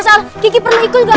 masa allah kiki perlu ikut gak